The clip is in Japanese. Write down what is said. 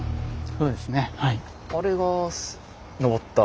そうです。